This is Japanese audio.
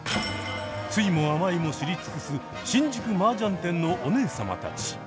酸いも甘いも知り尽くす新宿マージャン店のお姉様たち。